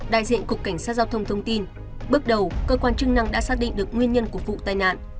đại diện cục cảnh sát giao thông thông tin bước đầu cơ quan chức năng đã xác định được nguyên nhân của vụ tai nạn